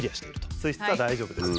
水質は大丈夫ですと。